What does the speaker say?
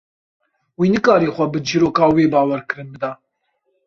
Wî nikarî xwe bi çîroka wê bawerkirin bida.